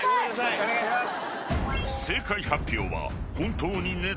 お願いします。